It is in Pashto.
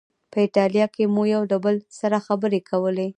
په ایټالوي کې مو یو له بل سره خبرې کولې.